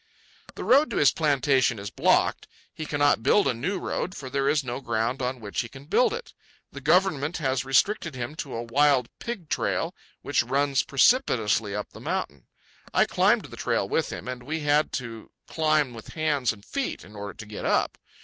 The road to his plantation is blocked. He cannot build a new road, for there is no ground on which he can build it. The government has restricted him to a wild pig trail which runs precipitously up the mountain. I climbed the trail with him, and we had to climb with hands and feet in order to get up.